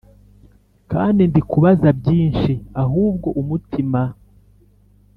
Kandi ntikubaza byinshi ahubwo umutima